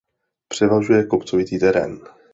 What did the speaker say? Převažuje kopcovitý terén.